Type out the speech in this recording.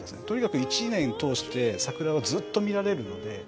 とにかく１年通して桜はずっと見られるので。